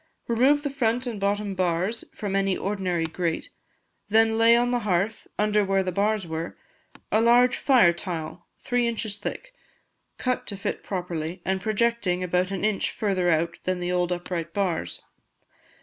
Remove the front and bottom bars from any ordinary grate; then lay on the hearth, under where the bars were, a large fire tile, three inches thick, cut to fit properly, and projecting about an inch further out than the old upright bars.